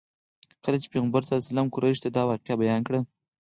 کله چې پیغمبر صلی الله علیه وسلم قریشو ته دا واقعه بیان کړه.